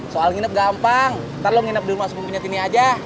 soal nginep gampang ntar lu nginep dulu masuk kampungnya tini aja